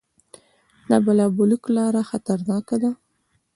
د بالابلوک لاره خطرناکه ده